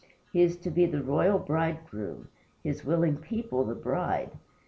He is to be the royal bridegroom; his willing people the bride.